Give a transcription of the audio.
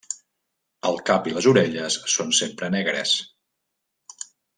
El cap i les orelles són sempre negres.